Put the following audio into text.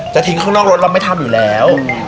ทิ้งข้างนอกรถเราไม่ทำอยู่แล้ว